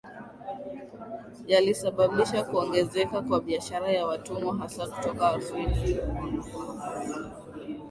yalisababisha kuongezeka kwa biashara ya watumwa hasa kutoka Afrika